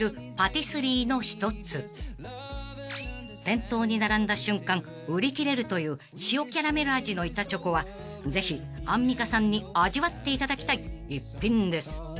［店頭に並んだ瞬間売り切れるという塩キャラメル味の板チョコはぜひアンミカさんに味わっていただきたい一品です］